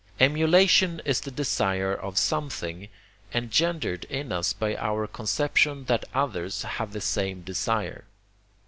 Emulation is the desire of something, engendered in us by our conception that others have the same desire.